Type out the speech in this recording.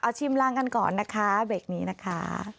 ชิมลางกันก่อนนะคะเบรกนี้นะคะ